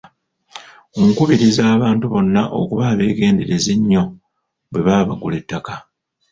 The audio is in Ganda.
Nkubiriza abantu bonna okuba abeegendereza ennyo bwe baba bagula ettaka.